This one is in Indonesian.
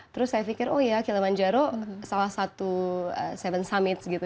terus saya pikir oh ya kilimanjaro salah satu seven summit gitu